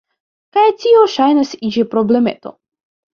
Kaj tio ŝajnas iĝi problemeto.